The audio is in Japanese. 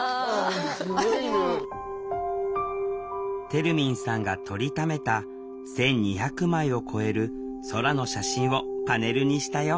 てるみんさんが撮りためた１，２００枚を超える空の写真をパネルにしたよ